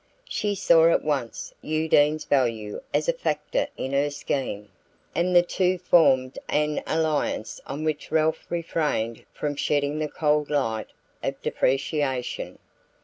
She saw at once Undine's value as a factor in her scheme, and the two formed an alliance on which Ralph refrained from shedding the cold light of depreciation.